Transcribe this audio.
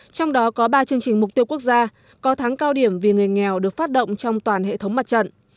trong đó có ba chương trình mục tiêu quốc gia có thắng cao điểm vì người nghèo được phát động trong toàn hệ thống mặt trận